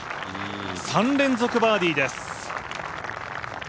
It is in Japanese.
３連続バーディーです。